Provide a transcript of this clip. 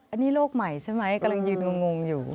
อันนี้โลกใหม่ใช่ไหมกำลังยืนงงอยู่